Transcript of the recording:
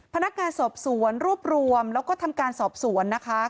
พนักงานสอบสวนรวบรวมแล้วก็ทำการสอบสวนนะคะ